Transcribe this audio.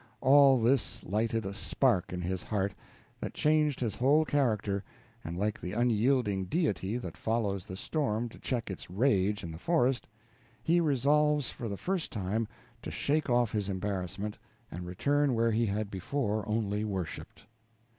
All this lighted a spark in his heart that changed his whole character, and like the unyielding Deity that follows the storm to check its rage in the forest, he resolves for the first time to shake off his embarrassment and return where he had before only worshiped.